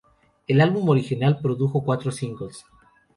El álbum original produjo cuatro singles.